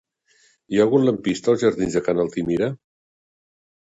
Hi ha algun lampista als jardins de Ca n'Altimira?